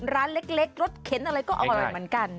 ร้านเล็กรสเข็นอะไรก็อร่อยเหมือนกัน